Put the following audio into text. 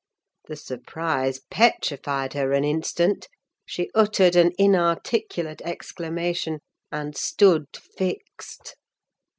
The surprise petrified her an instant: she uttered an inarticulate exclamation, and stood fixed.